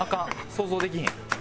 想像できひん。